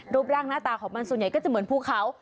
รูปร่างหน้าตาของมันส่วนใหญ่ก็จะเหมือนภูเขา